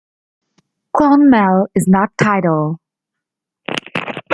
Clonmel is not tidal.